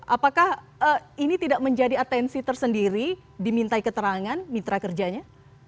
apakah ini tidak menjadi atensi tersendiri dimintai keterangan mitra kerjanya